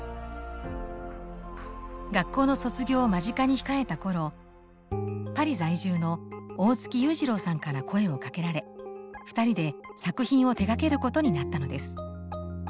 学校の卒業を間近に控えた頃パリ在住の大月雄二郎さんから声をかけられ２人で作品を手がけることになったのです。